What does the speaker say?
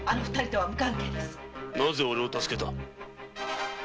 なぜオレを助けた？